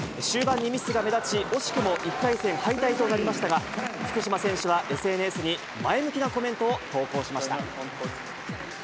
終盤にミスが目立ち、惜しくも１回戦敗退となりましたが、福島選手はＳＮＳに前向きなコメントを投稿しました。